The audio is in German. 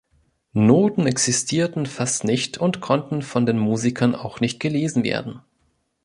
Noten existierten fast nicht und konnten von den Musikern auch nicht gelesen werden.